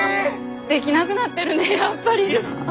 できなくなってるねやっぱり。